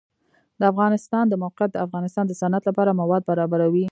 د افغانستان د موقعیت د افغانستان د صنعت لپاره مواد برابروي.